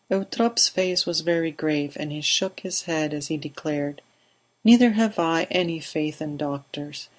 Eutrope's face was very grave, and he shook his head as he declared: "Neither have I any faith in doctors.